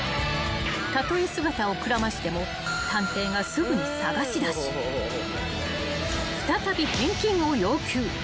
［たとえ姿をくらましても探偵がすぐに捜し出し再び返金を要求］